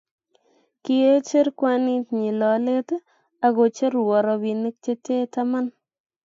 kiiecher kwanit nyi lolet ak kocherwo robinik che tee taman